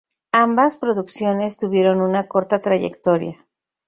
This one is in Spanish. Ambas producciones tuvieron una corta trayectoria.